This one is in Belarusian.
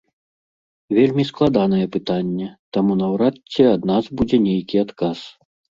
Вельмі складанае пытанне, таму наўрад ці ад нас будзе нейкі адказ.